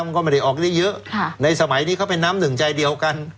ก็ไม่ได้ออกได้เยอะในสมัยนี้เขาเป็นน้ำหนึ่งใจเดียวกัน